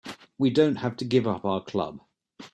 We don't have to give up our club.